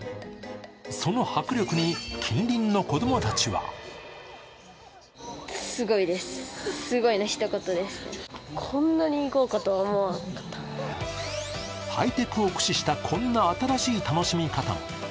その迫力に近隣の子供たちはハイテクを駆使したこんな新しい楽しみ方も。